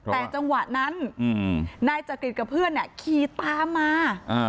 แต่จังหวะนั้นนายจักริตกับเพื่อนขี่ตามมา